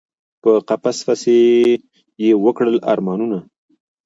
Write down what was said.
په قفس پسي یی وکړل ارمانونه